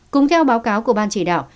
cũng theo báo cáo của ban chỉ đạo